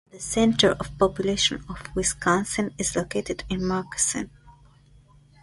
The center of population of Wisconsin is located in Markesan.